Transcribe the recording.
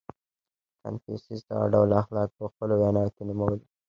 • کنفوسیوس دغه ډول اخلاق په خپلو ویناوو کې نومولي دي.